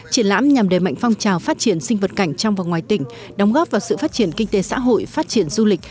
triển lãm nhằm đề mạnh phong trào phát triển sinh vật cảnh trong và ngoài tỉnh đóng góp vào sự phát triển kinh tế xã hội phát triển du lịch